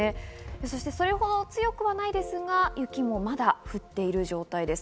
そしてそれほど強くはないですが、雪もまだ降っている状態です。